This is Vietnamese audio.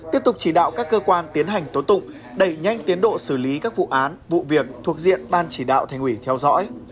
tiếp tục chỉ đạo các cơ quan tiến hành tố tụng đẩy nhanh tiến độ xử lý các vụ án vụ việc thuộc diện ban chỉ đạo thành ủy theo dõi